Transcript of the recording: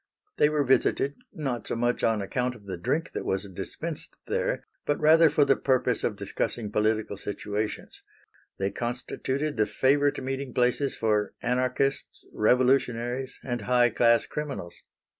They were visited, not so much on account of the drink that was dispensed there, but rather for the purpose of discussing political situations; they constituted the favorite meeting places for anarchists, revolutionaries, and high class criminals.